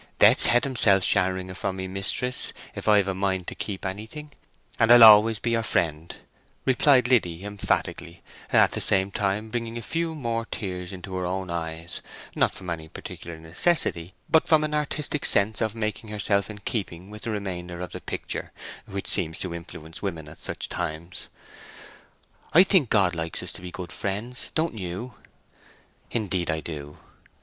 "Death's head himself shan't wring it from me, mistress, if I've a mind to keep anything; and I'll always be your friend," replied Liddy, emphatically, at the same time bringing a few more tears into her own eyes, not from any particular necessity, but from an artistic sense of making herself in keeping with the remainder of the picture, which seems to influence women at such times. "I think God likes us to be good friends, don't you?" "Indeed I do."